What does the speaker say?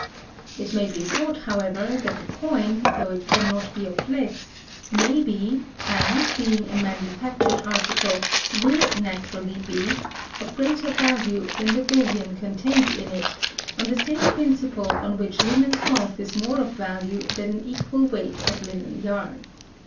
It may be thought, however, that the coin, though it can not be of less, may be, and being a manufactured article will naturally be, of greater value than the bullion contained in it, on the same principle on which linen cloth is of more value than an equal weight of linen yarn.